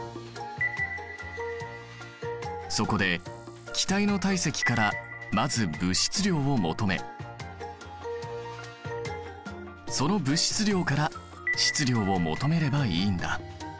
そこで気体の体積からまず物質量を求めその物質量から質量を求めればいいんだ。